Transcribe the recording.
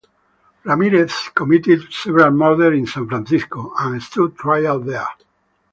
Ramirez committed several murders in San Francisco and stood trial there.